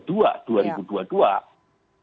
sepanjang semester ke dua